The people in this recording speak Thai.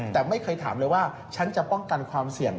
แต่ไม่เคยถามเลยว่าฉันจะป้องกันความเสี่ยง